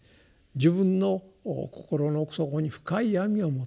自分の心の奥底に深い闇を持っていると。